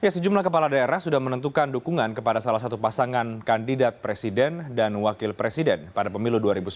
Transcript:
sejumlah kepala daerah sudah menentukan dukungan kepada salah satu pasangan kandidat presiden dan wakil presiden pada pemilu dua ribu sembilan belas